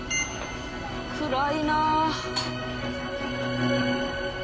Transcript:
暗いなあ。